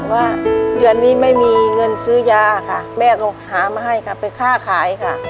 ว่าเดือนนี้ไม่มีเงินซื้อยาค่ะแม่ก็หามาให้ค่ะไปค่าขายค่ะ